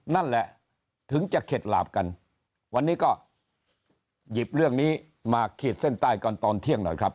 นั่นแหละถึงจะเข็ดหลาบกันวันนี้ก็หยิบเรื่องนี้มาขีดเส้นใต้กันตอนเที่ยงหน่อยครับ